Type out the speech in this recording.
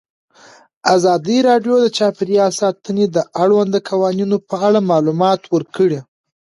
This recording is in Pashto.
ازادي راډیو د چاپیریال ساتنه د اړونده قوانینو په اړه معلومات ورکړي.